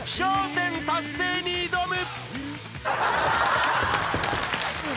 １０達成に挑む］